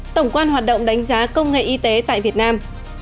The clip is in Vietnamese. tổng quan hoạt động đánh giá công nghệ y tế tại việt nam